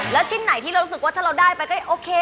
แล้วชิ้นไหนที่เรารู้สึกว่าถ้าเราได้ไปก็โอเค